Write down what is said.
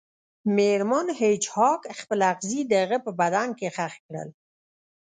میرمن هیج هاګ خپل اغزي د هغه په بدن کې ښخ کړل